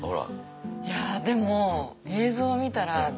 いやでも映像見たら。